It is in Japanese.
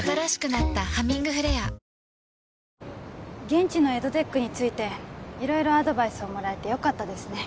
現地のエドテックについて色々アドバイスをもらえてよかったですね